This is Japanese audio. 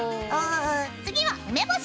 次は梅干し！